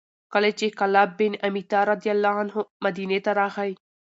کله چې کلاب بن امیة رضي الله عنه مدینې ته راغی،